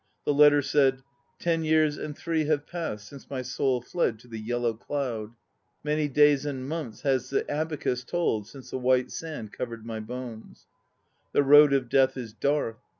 The letter said: Ten years and three have passed since my soul fled to the Yellow Clod. Many days and months has the abacus told since the white sand covered my bones. The Road of Death is dark